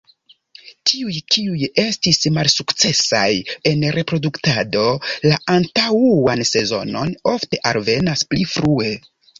Tiuj kiuj estis malsukcesaj en reproduktado la antaŭan sezonon ofte alvenas pli frue.